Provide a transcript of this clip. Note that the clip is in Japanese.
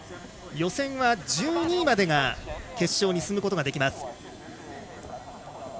予選は、１２位までが決勝に進むことができます。